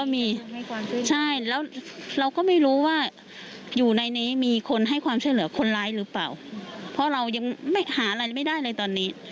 เพราะเรายังหาอะไรไม่ได้เลยตอนนี้